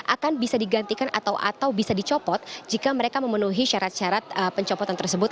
akan bisa digantikan atau bisa dicopot jika mereka memenuhi syarat syarat pencopotan tersebut